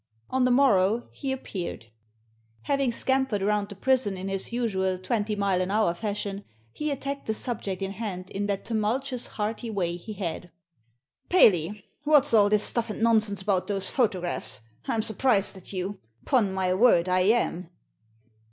On the morrow he appeared. Having Digitized by VjOOQIC THE PHOTOGRAPHS 47 scampered round the prison in his usual twenty mile an hour fashion, he attacked the subject in hand in that tumultuous, hearty way he had. " Paley, what's all this stuff and nonsense about those photographs ? I'm surprised at you ; *pon my word, I am."